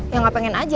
ya gak pengen aja